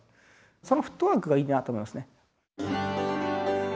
そのフットワークがいいなと思いますね。